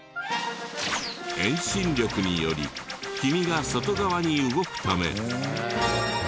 遠心力により黄身が外側に動くため。